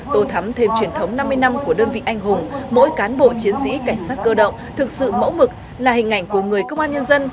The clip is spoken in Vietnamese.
tổ thắm thêm truyền thống năm mươi năm của đơn vị anh hùng mỗi cán bộ chiến sĩ cảnh sát cơ động thực sự mẫu mực là hình ảnh của người công an nhân dân